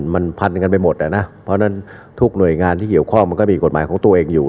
มันพันกันไปหมดอ่ะนะเพราะฉะนั้นทุกหน่วยงานที่เกี่ยวข้องมันก็มีกฎหมายของตัวเองอยู่